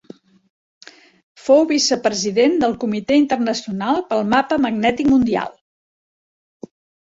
Fou vicepresident del Comitè Internacional per al Mapa Magnètic Mundial.